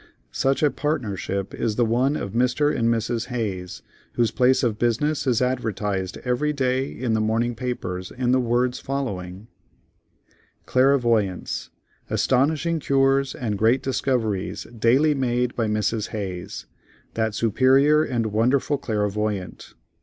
Such a partnership is the one of Mr. and Mrs. Hayes, whose place of business is advertised every day in the morning papers in the words following: "CLAIRVOYANCE.—Astonishing cures and great discoveries daily made by MRS. HAYES, that superior and wonderful clairvoyant.